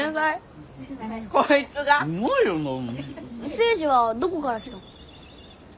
誠司はどこから来たの？